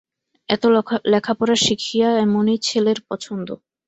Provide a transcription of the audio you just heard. এত লেখাপড়া শিখিয়া এমনি ছেলের পছন্দ!